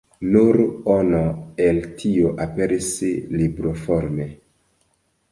Nur ono el tio aperis libroforme.